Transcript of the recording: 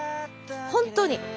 本当に。